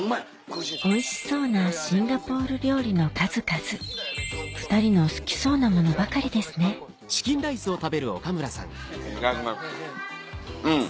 おいしそうなシンガポール料理の数々２人の好きそうなものばかりですねうん！